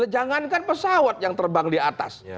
jangankan pesawat yang terbang di atas